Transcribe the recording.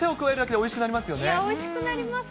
おいしくなりますね。